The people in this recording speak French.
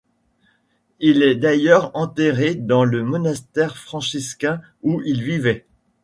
Il est d'ailleurs enterré dans le monastère franciscain où il vivait.